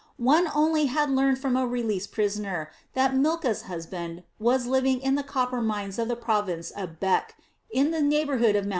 One only had learned from a released prisoner that Milcah's husband was living in the copper mines of the province of Bech, in the neighborhood of Mt.